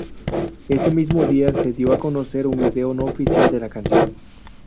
Ese mismo día se dio a conocer un video no oficial de la canción.